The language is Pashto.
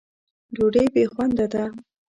ډوډۍ بې خونده ده.